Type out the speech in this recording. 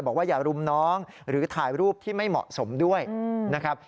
อย่ารุมน้องหรือถ่ายรูปที่ไม่เหมาะสมด้วยนะครับ